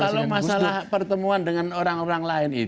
kalau masalah pertemuan dengan orang orang lain